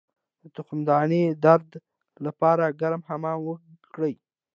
د تخمدان د درد لپاره ګرم حمام وکړئ